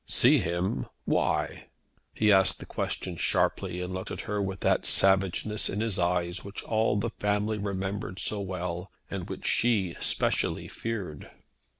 "See him! Why?" He asked the question sharply, and looked at her with that savageness in his eyes which all the family remembered so well, and which she specially feared.